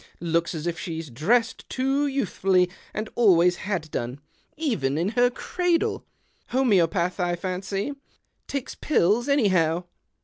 Looks as if she dressed too youthfully, and always had done — even in her cradle. Homeopath, I fancy — talks pills, anyhow.